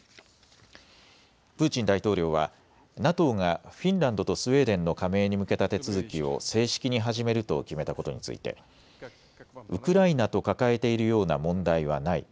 プーチン大統領はＮＡＴＯがフィンランドとスウェーデンの加盟に向けた手続きを正式に始めると決めたことについてウクライナと抱えているような問題はない。